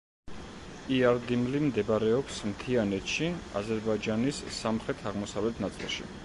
იარდიმლი მდებარეობს მთიანეთში, აზერბაიჯანის სამხრეთ-აღმოსავლეთ ნაწილში.